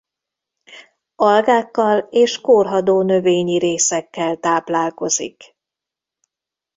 Algákkal és korhadó növényi részekkel táplálkozik.